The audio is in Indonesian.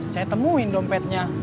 saya temuin dompetnya